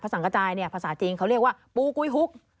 สังกระจายเนี่ยภาษาจีนเขาเรียกว่าปูกุ้ยฮุก